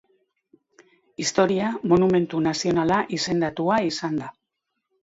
Historia Monumentu Nazionala izendatua izan da.